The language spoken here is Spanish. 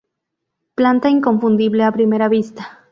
Planta inconfundible a primera vista.